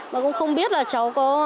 và cũng không biết là cháu có